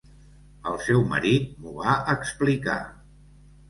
El seu marit m'ho va explicar.